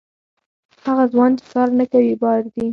هغه ځوان چې کار نه کوي، بار دی.